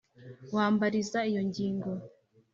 wambariza iyo ngingo.